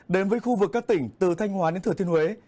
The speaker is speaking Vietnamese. đến với khu vực các tỉnh từ thanh hóa đến thừa thiên huế